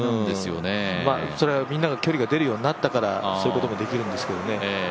それはみんなが距離が出るようになったからそういうこともできるんですけど。